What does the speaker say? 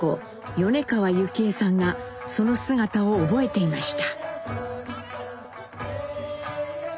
米川ユキエさんがその姿を覚えていました。